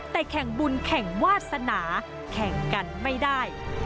แต่แข่งบุญแข่งวาสนาแข่งกันไม่ได้